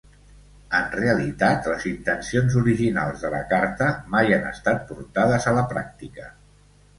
En realitat, les intencions originals de la Carta mai han estat portades a la pràctica.